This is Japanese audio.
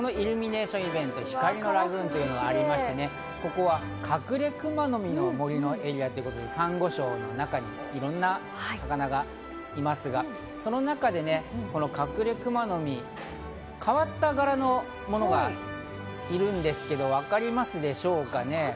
このイルミネーションイベント、光のラグーンというのがありまして、ここはカクレクマノミの森のエリア、サンゴ礁の中にいろんな魚がいますが、カクレクマノミ、変わった柄のものがいるんですけど、分かりますでしょうかね？